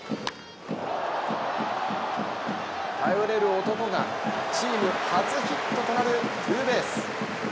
頼れる男がチーム初ヒットとなるツーベース。